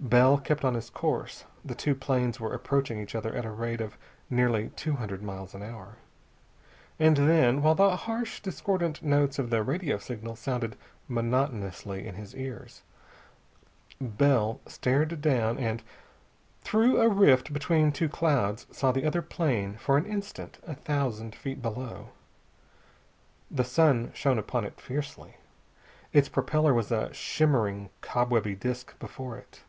Bell kept on his course. The two planes were approaching each other at a rate of nearly two hundred miles an hour. And then, while the harsh, discordant notes of the radio signal sounded monotonously in his ears, Bell stared down and, through a rift between two clouds, saw the other plane for an instant, a thousand feet below. The sun shone upon it fiercely. Its propeller was a shimmering, cobwebby disk before it.